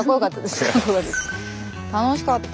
楽しかった。